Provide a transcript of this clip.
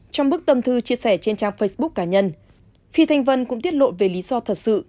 trong bức tâm thư chia sẻ trên trang facebook cá nhân phi thanh vân cũng tiết lộ về lý do thật sự